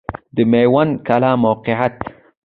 د میوند کلی موقعیت